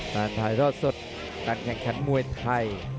ตันถ่ายรอดสดการแข่งครั้งมวยไทย